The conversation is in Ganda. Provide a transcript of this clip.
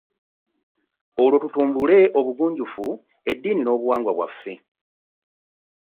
Olwo tutumbule obugunjufu, eddiini n'obuwangwa bwaffe.